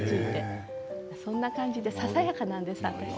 そんな感じでささやかなんです。